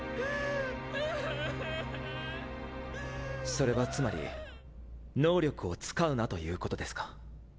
それはつまり能力を使うなということですか？